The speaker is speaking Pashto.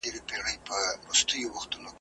د هوسیو د سویانو د پسونو ,